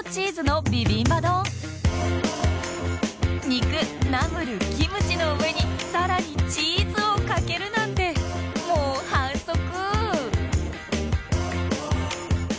肉ナムルキムチの上にさらにチーズをかけるなんてもう反則！